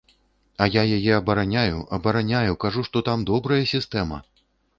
А я яе абараняю, абараняю, кажу, што там добрая сістэма.